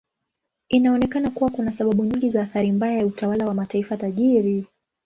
Inaonekana kuwa kuna sababu nyingi za athari mbaya ya utawala wa mataifa tajiri.